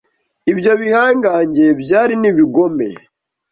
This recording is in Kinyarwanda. Ibyo bihangange byari n’ibigome